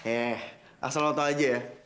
eh asal lo tau aja ya